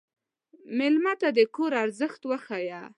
مېلمه ته د کور ارزښت وښیه.